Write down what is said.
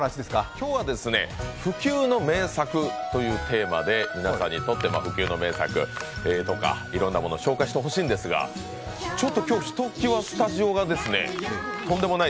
今日は不朽の名作というテーマで皆さんにとっての不朽の名作とかいろんなものを紹介してほしいんですが、ちょっと今日、ひときわスタジオがとんでもない